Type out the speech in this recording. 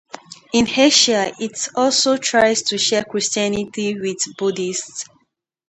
In Asia it also tries to share Christianity with Buddhists.